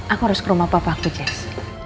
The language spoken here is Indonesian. aku harus ke rumah papa aku jess